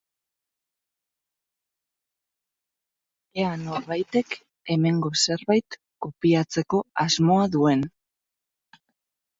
Ea norbaitek hemengo zerbait kopiatzeko asmoa duen.